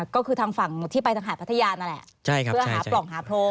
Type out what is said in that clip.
ก็คือทางฝั่งที่ไปทางหาดพัทยานั่นแหละเพื่อหาปล่องหาโพรง